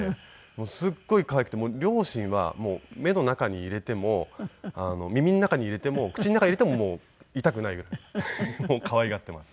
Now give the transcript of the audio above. すっごい可愛くて両親は目の中に入れても耳の中に入れても口の中に入れても痛くないぐらい可愛がっています。